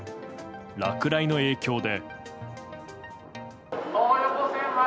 落雷の影響で。